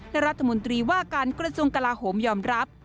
และรัฐมนตรีว่าการกระทรวงกลาโหมยอมรับ